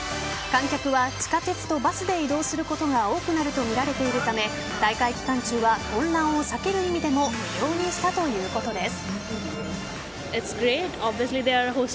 観客は地下鉄とバスで移動することが多くなるとみられているため大会期間中は混乱を避ける意味でも無料にしたということです。